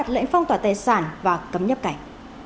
lệnh phong tỏa tài sản và cấm nhấp cảnh